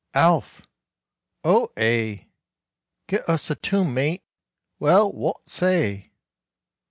"Alf!" "O ay." "Gi' us a tune, mate." "Well, wot say?"